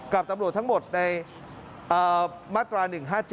กับตำรวจทั้งหมดในมาตรา๑๕๗